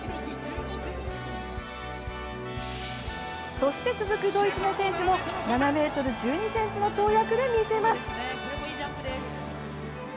そして続くドイツの選手も７ｍ１２ｃｍの跳躍で魅せます。